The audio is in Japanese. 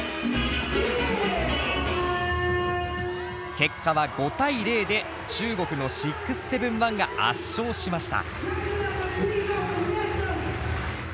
結果は５対０で中国の６７１が圧勝しました。